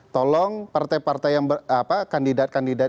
tolong partai partai yang kandidat kandidat